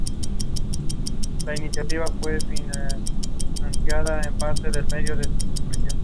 Se encuentra en el barrio de Villa Benítez, junto al Mirador de Vistabella.